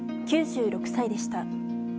９６歳でした。